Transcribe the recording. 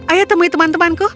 ayo temui temanku